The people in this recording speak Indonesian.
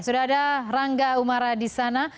sudah ada rangga umara di sana